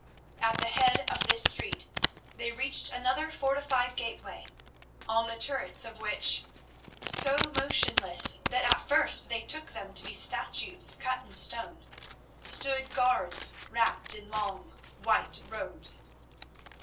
At the head of this street they reached another fortified gateway, on the turrets of which, so motionless that at first they took them to be statues cut in stone, stood guards wrapped in long white robes.